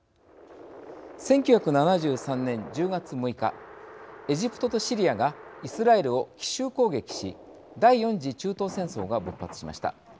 １９７３年１０月６日エジプトとシリアがイスラエルを奇襲攻撃し第４次中東戦争が勃発しました。